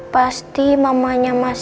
pasti mamanya mas randy